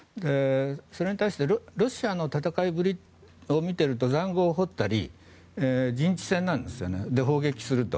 それに対してロシアの戦いぶりを見ていると塹壕を掘ったり陣地戦なんですよねで、砲撃すると。